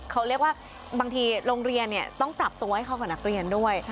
เขาเรียกว่าบางทีโรงเรียนต้องปรับตัวให้เข้ากับนักเรียนด้วย